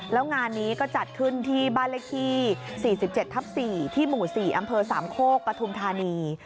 แล้วงานนี้ก็จัดขึ้นที่บ้านเลขที่๔๗ทับ๔ที่หมู่๔อำเภอสามโคกปฐุมธานี